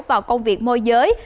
vào công việc môi giới